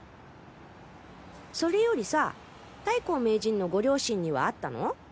それよりさぁ太閤名人のご両親には会ったの？